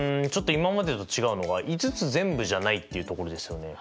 今までと違うのが５つ全部じゃないっていうところですよね。